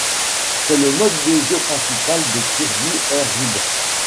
C'est le mode de jeu principal de Kirby Air Ride.